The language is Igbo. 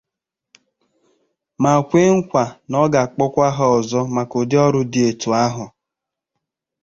ma kwe nkwà na ọ ga-akpọkwa ha ọzọ maka ụdị ọrụ dị etu ahụ